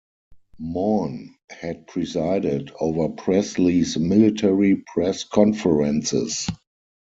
Mawn had presided over Presley's military press conferences.